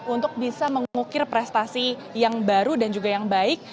untuk bisa mengukir prestasi yang baru dan juga yang baik